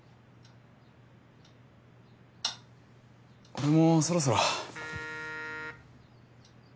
俺もそろそろ。